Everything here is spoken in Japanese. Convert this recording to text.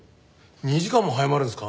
２時間も早まるんですか？